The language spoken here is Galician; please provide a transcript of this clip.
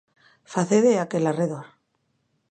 Facede aquel arredor.